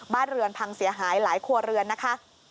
บ้านเรือนพังเสียหายหลายครัวเรือนนะคะ